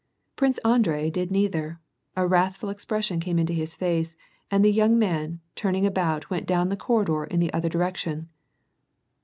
Prince Andrei did neither ; a wrathful expression came into his face, and the young man, turning about went down the corridor in the other direction.